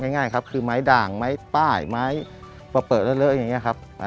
ง่ายครับคือไม้ด่างไม้ป้ายไม้พอเปิดเลอะอย่างนี้ครับ